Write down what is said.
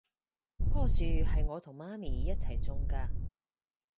樖樹係我同媽咪一齊種㗎